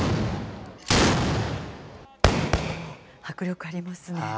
迫力ありますね。